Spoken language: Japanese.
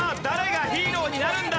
誰がヒーローになる？